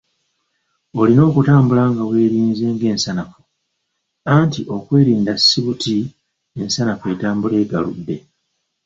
Olina okutambula nga weerinze ng'ensanafu, anti okwerinda si buti ensanafu etambula egaludde.